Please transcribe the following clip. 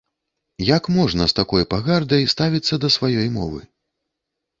Як можна з такой пагардай ставіцца да сваёй мовы?